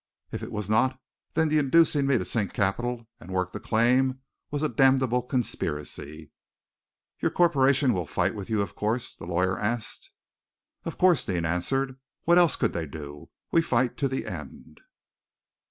If it was not, then the inducing me to sink capital and work the claim was a damnable conspiracy." "Your corporation fight with you, of course?" the lawyer asked. "Of course," Deane answered. "What else could they do? We fight to the end!"